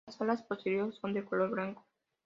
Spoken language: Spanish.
Las alas posteriores son de color blanco.